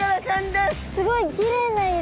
すごいきれいな色！